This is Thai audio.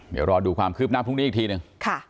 เดี๋ยวรอดูความคืบหน้าพรุ่งนี้อีกทีหนึ่ง